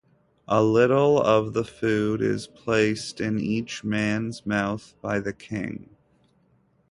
A little of the food is placed in each man's mouth by the king.